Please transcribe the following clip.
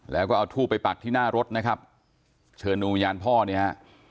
แล้วก็เอาทูบไปปักที่หน้ารถนะครับเชิญวิญญาณพ่อเนี่ยฮะ